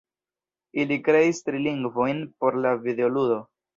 Ili kreis tri lingvojn por la videoludo